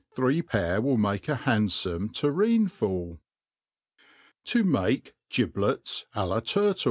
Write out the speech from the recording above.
Three pair will make a handfome tureen fulK To make GibUt$ a la TurtU.